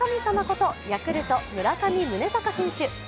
ことヤクルト・村上宗隆選手。